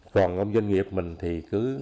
còn ông dân nghiệp mình thì cứ